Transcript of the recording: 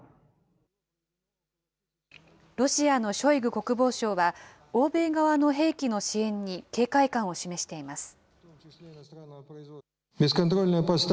ロシアのショイグ国防相は、欧米側の兵器の支援に警戒感を示しています。